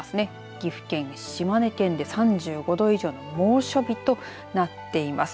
岐阜県、島根県で３５度以上の猛暑日となっています。